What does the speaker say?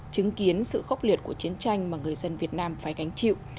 bệnh viện của chiến tranh mà người dân việt nam phải gánh chịu